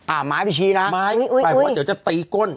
อ่าไม้บิชีนะอุ้ยยยยยไม้บอกว่าเดี๋ยวจะตีก้น